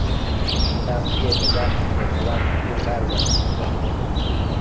inda kwiyemeza kundekura ... gukunda bidasubirwaho